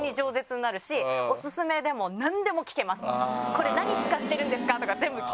「これ何使ってるんですか？」とか全部聞けます。